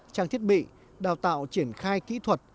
trang thiết bị đào tạo triển khai kỹ thuật